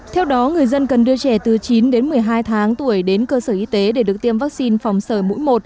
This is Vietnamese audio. theo đó người dân cần đưa trẻ từ chín một mươi hai tháng tuổi đến cơ sở y tế để được tiêm vắc xin phòng sởi mũi một